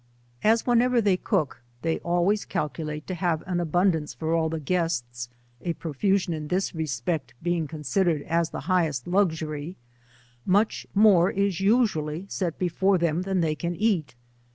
As whenever they cook, they always calculate to have an abundance for all the guests, a profu gioo ia this respect being considered as the highest 72 luxury, much more is usually set before them than they caa eat.